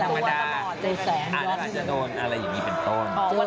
มันต้องอย่างนี้เป็นต้น